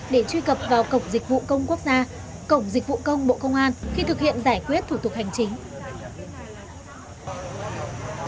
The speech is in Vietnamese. để truy cập vào cổng dịch vụ công quốc gia cổng dịch vụ công bộ công an khi thực hiện giải quyết thủ tục hành chính